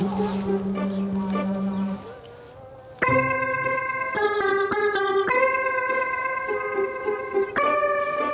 keh gini ya